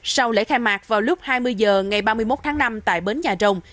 sau lễ khai mạc vào lúc hai mươi h ngày ba mươi một tháng năm tại bến nhà rồng